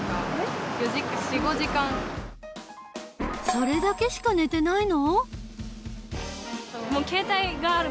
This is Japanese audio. それだけしか寝てないの？